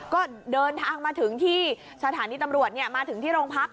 ก็เดินทางมาถึงที่สถานีตำรวจมาถึงที่โรงพัก